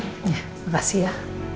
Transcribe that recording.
ya terima kasih ya